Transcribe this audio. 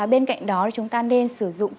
bên cạnh đó chúng ta nên sử dụng